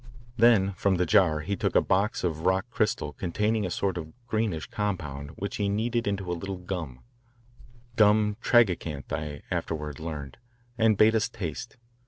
Then from the jar he took a box of rock crystal containing a sort of greenish compound which he kneaded into a little gum gum tragacanth, I afterward learned, and bade us taste.